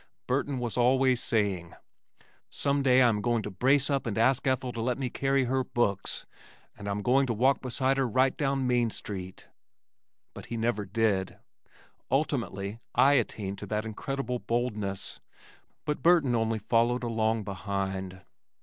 Burton was always saying, "Some day I am going to brace up and ask Ethel to let me carry her books, and I'm going to walk beside her right down Main Street." But he never did. Ultimately I attained to that incredible boldness, but Burton only followed along behind.